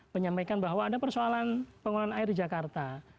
menyampaikan bahwa ada persoalan pengelolaan air di jakarta